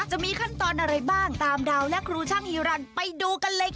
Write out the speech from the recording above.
จะมีขั้นตอนอะไรบ้างตามดาวและครูช่างฮีรันไปดูกันเลยค่ะ